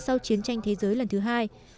sau chiến tranh thế giới lần thứ hai